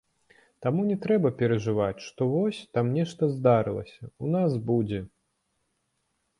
Таму не трэба перажываць, што вось, там нешта здарылася, у нас будзе.